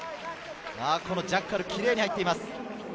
ジャッカル、キレイに入っています。